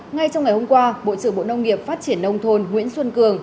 ngay trong ngày hôm qua bộ trưởng bộ nông nghiệp phát triển nông thôn nguyễn xuân cường